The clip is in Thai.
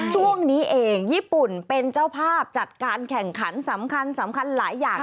ช่วงนี้เองญี่ปุ่นเป็นเจ้าภาพจัดการแข่งขันสำคัญสำคัญหลายอย่าง